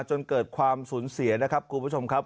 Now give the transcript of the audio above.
จนเกิดความสูญเสียนะครับคุณผู้ชมครับ